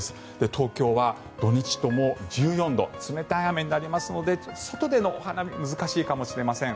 東京は土日とも１４度冷たい雨になりますので外でのお花見は難しいかもしれません。